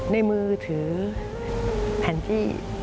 ในมือถือผ่านที่